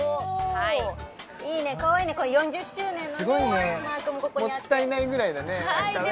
はいいいねかわいいねこれ４０周年のねすごいねもったいないぐらいだね